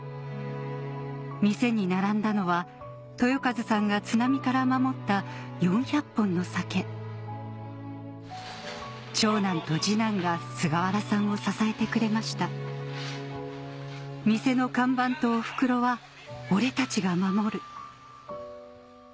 店に並んだのは豊和さんが津波から守った４００本の酒長男と次男が菅原さんを支えてくれました「店の看板とおふくろは俺たちが守る」